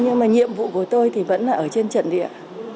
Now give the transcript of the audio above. nhưng mà nhiệm vụ của tôi thì vẫn là ở trên trận địa